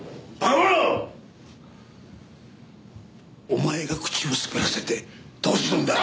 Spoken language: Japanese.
お前が口を滑らせてどうするんだ！